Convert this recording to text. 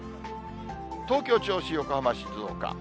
東京、銚子、横浜、静岡。